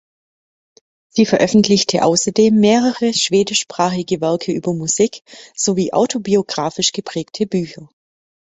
Sie veröffentlichte außerdem mehrere schwedischsprachige Werke über Musik sowie autobiographisch geprägte Bücher.